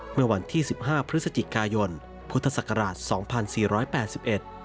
เมื่อวันที่๑๕พฤศจิกายนพุทธศักราช๒๔๘๑